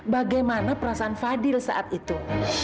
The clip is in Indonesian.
bagaimana perasaan fadil saat itu